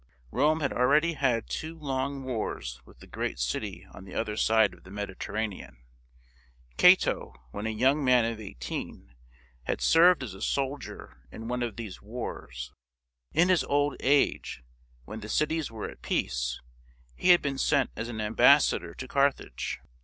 Rome had already had two long wars with the great city on the other side of the Mediterranean. Cato, when a young man of eighteen, had served as a sol "DELENDA EST CARTHAGO!" 20I dier in one of these wars.. In his old age, when the cities were at peace, he had been sent as an ambas sador to Carthage.